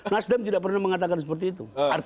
nasdem tidak pernah mengatakan seperti itu